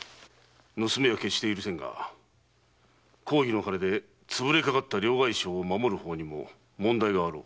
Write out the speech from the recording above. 盗みは決して許せぬが公儀の金でつぶれかかった両替商を守る法にも問題があろう。